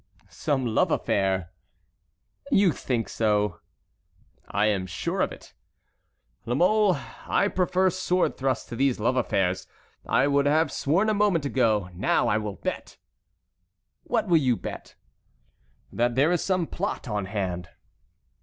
"Some love affair." "You think so?" "I am sure of it." "La Mole, I prefer sword thrusts to these love affairs. I would have sworn a moment ago, now I will bet." "What will you bet?" "That there is some plot on hand."